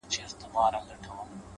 • ستا تر درشله خامخا راځمه ,